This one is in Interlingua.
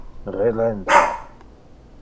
Relenta!